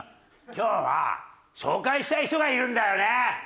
今日は紹介したい人がいるんだよね。